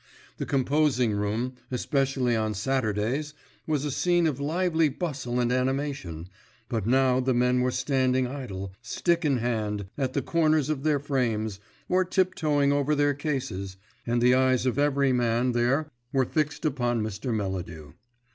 The composing room, especially on Saturdays, was a scene of lively bustle and animation, but now the men were standing idle, stick in hand, at the corners of their frames, or tip toeing over their cases, and the eyes of every man there were fixed upon Mr. Melladew.